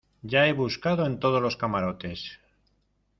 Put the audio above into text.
ya he buscado en todos los camarotes.